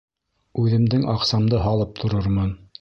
Үҙемдең аҡсамды һалып торормон.